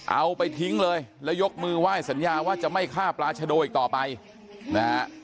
เอาไปทิ้งเลยแล้วยกมือไหว้สัญญาว่าจะไม่ฆ่าปราชโดอีกต่อไปนะฮะ